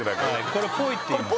これポイっていいます